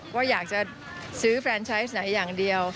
ว่าอยากจะซื้อแฟนใช้ไหนอย่างเดียว